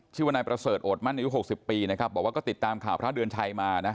ชื่อวันนายประเศษโอดมั่นในยุคหกสิบพี่บอกว่าก็ติดตามข่าวพระเดือนชัยมานะ